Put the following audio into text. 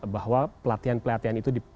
bahwa pelatihan pelatihan itu